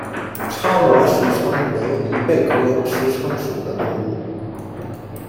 叉膜石蛏为贻贝科石蛏属的动物。